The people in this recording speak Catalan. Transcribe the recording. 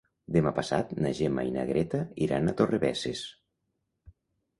Demà passat na Gemma i na Greta iran a Torrebesses.